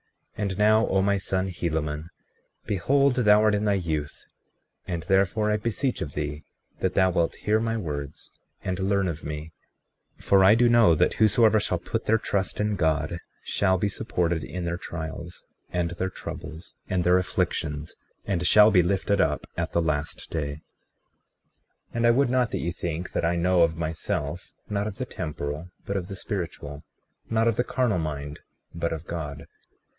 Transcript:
36:3 And now, O my son Helaman, behold, thou art in thy youth, and therefore, I beseech of thee that thou wilt hear my words and learn of me; for I do know that whosoever shall put their trust in God shall be supported in their trials, and their troubles, and their afflictions, and shall be lifted up at the last day. 36:4 And I would not that ye think that I know of myself—not of the temporal but of the spiritual, not of the carnal mind but of God.